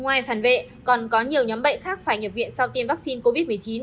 ngoài phản vệ còn có nhiều nhóm bệnh khác phải nhập viện sau tiêm vaccine covid một mươi chín